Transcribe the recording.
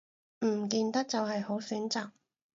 唔見得就係好選擇